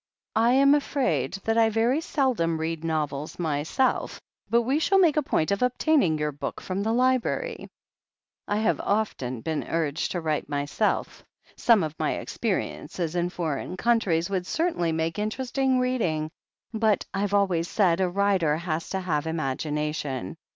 "I am afraid that I very seldom read novels myself, but we shall make a point of obtaining your book from the library. I have often been urged to write myself — some of my experiences in foreign countries would THE HEEL OF ACHILLES 235 certainly make interesting reading — ^but, I've always said, a writer has to have imagination.